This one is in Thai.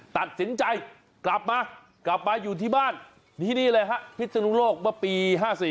ตัดสินใจกลับมากลับมาอยู่ที่บ้านที่นี่เลยฮะพิศนุโลกเมื่อปี๕๔